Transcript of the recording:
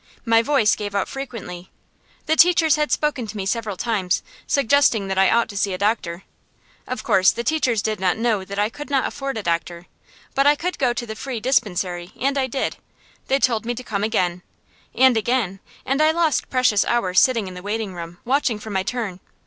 My voice gave out frequently. The teachers had spoken to me several times, suggesting that I ought to see a doctor. Of course the teachers did not know that I could not afford a doctor, but I could go to the free dispensary, and I did. They told me to come again, and again, and I lost precious hours sitting in the waiting room, watching for my turn.